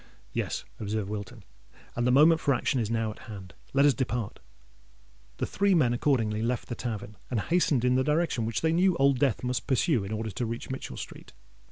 "Yes," observed Wilton: "and the moment for action is now at hand. Let us depart." The three men accordingly left the tavern, and hastened in the direction which they knew Old Death must pursue in order to reach Mitchell Street.